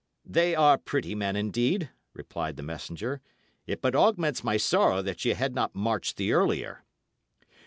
"They are pretty men, indeed," replied the messenger. "It but augments my sorrow that ye had not marched the earlier."